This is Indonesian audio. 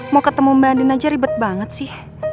mau ketemu mbak din aja ribet banget sih